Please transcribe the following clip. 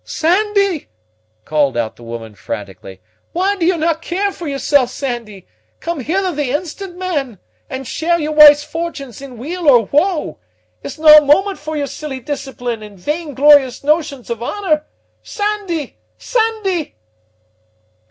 "Sandy!" called out the woman frantically; "why d'ye no' care for yoursal', Sandy? Come hither the instant, man, and share your wife's fortunes in weal or woe. It's no' a moment for your silly discipline and vain glorious notions of honor! Sandy! Sandy!"